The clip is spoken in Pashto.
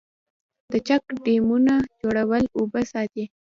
د چک ډیمونو جوړول اوبه ساتي